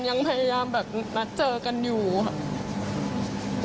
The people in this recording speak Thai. ยังพยายามแบบนัดเจอกันอยู่ค่ะ